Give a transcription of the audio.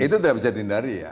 itu tidak bisa dihindari ya